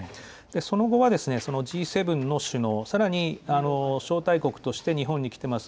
その後は、そのＧ７の首脳、さらに招待国として日本に来てます